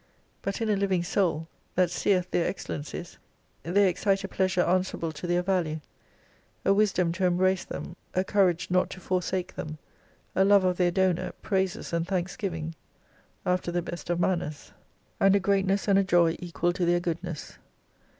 But in a living Soul, that seeth their excellencies, they excite a pleasure answerable to their value, a wisdom to embrace them, a courage not to forsake them, a love of their Donor, praises and thanksgivings ; and a great ness and a joy equal to their goodness.